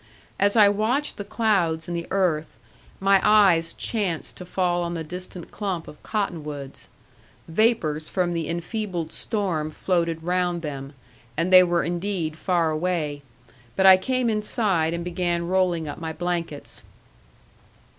As I watched the clouds and the earth, my eyes chanced to fall on the distant clump of cottonwoods. Vapors from the enfeebled storm floated round them, and they were indeed far away; but I came inside and began rolling up my blankets.